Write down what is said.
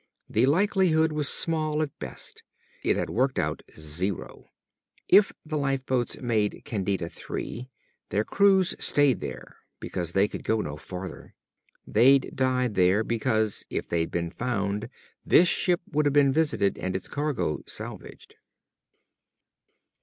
The likelihood was small, at best. It had worked out zero. If the lifeboats made Candida III, their crews stayed there because they could go no farther. They'd died there, because if they'd been found this ship would have been visited and its cargo salvaged.